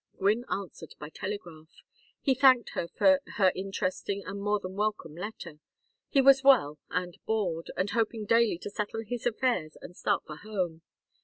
Gwynne answered by telegraph. He thanked her for her interesting and more than welcome letter. He was well, and bored, and hoping daily to settle his affairs and start for home.